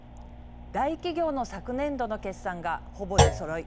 大企業の昨年度の決算がほぼ出そろい